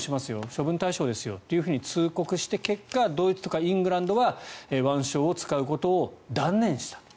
処分対象ですよと通告して結果、ドイツとかイングランドは腕章を使うことを断念した。